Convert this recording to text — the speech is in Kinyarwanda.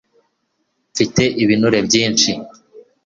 mfite ibinure byinshi